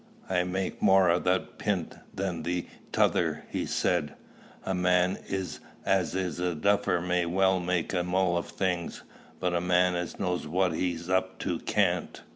"I make more o' that pint than the t'other," he said. "A man as is a duffer may well make a mull of a thing; but a man as knows what he's up to can't.